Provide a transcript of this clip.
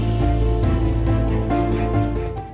jokowi juga menanggapi dengan nada yang serupa